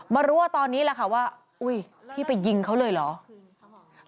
มารู้ว่าตอนนี้แหละค่ะว่าอุ้ยพี่ไปยิงเขาเลยเหรอ